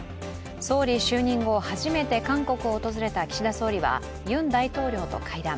総理就任後、初めて韓国を訪れた岸田総理はユン大統領と会談。